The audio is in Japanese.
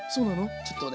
ちょっとね